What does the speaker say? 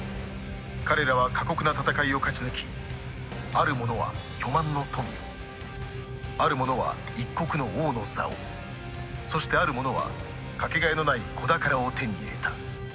彼らは過酷な戦いを勝ち抜きある者は巨万の富をある者は一国の王の座をそしてある者は掛け替えのない子宝を手に入れた